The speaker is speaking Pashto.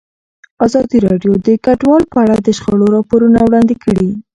ازادي راډیو د کډوال په اړه د شخړو راپورونه وړاندې کړي.